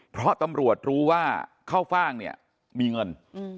เพราะตำรวจรู้ว่าเข้าฟ่างเนี่ยมีเงิน